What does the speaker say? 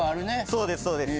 そうです。